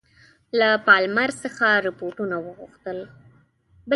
له پالمر څخه رپوټونه وغوښتل.